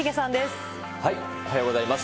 おはようございます。